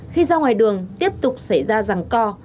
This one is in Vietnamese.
khi ra ngoài đường tiếp tục xảy ra rẳng co